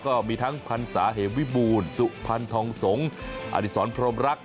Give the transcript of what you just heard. ก็มีทั้งพันธุ์สาเหววิบูรสุพันธองสงศ์อธิสรพรมรัก